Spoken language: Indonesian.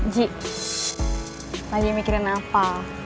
ji lagi mikirin apa